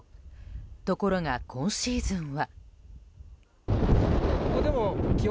ところが、今シーズンは。